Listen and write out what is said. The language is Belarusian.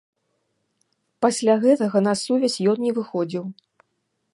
Пасля гэтага на сувязь ён не выходзіў.